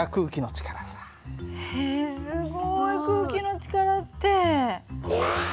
へえすごい空気の力って。